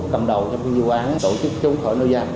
cầm đầu trong cái vụ án tổ chức chống khỏi nơi gian